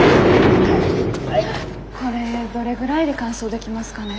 これどれぐらいで乾燥できますかね？